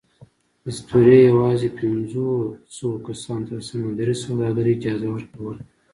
اسطورې یواځې پینځوسوو کسانو ته د سمندري سوداګرۍ اجازه ورکوله.